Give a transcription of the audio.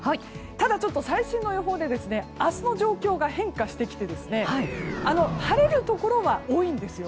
ただ、最新の予報で明日の状況が変化してきて晴れるところは多いんですよ。